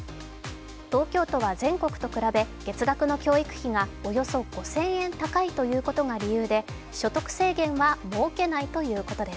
東京都は全国と比べ月額の教育費がおよそ５０００円高いということが理由で、所得制限は設けないということです。